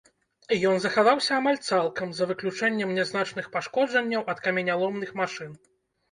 Ён захаваўся амаль цалкам, за выключэннем нязначных пашкоджанняў ад каменяломных машын.